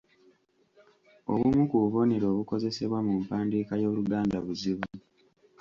Obumu ku bubonero obukozesebwa mu mpandiika y’Oluganda buzibu.